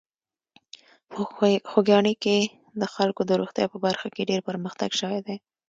په خوږیاڼي کې د خلکو د روغتیا په برخه کې ډېر پرمختګ شوی دی.